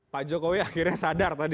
pak jokowi akhirnya sadar tadi